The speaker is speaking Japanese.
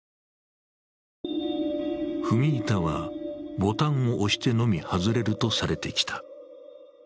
踏み板は、ボタンを押してのみ外れるとされてきた。